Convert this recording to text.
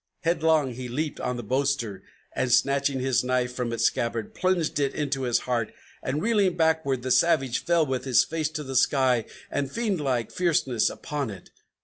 Headlong he leaped on the boaster, and, snatching his knife from its scabbard, Plunged it into his heart, and, reeling backward, the savage Fell with his face to the sky, and a fiendlike fierceness upon it.